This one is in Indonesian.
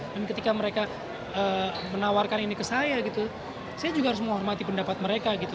dan ketika mereka menawarkan ini ke saya gitu saya juga harus menghormati pendapat mereka gitu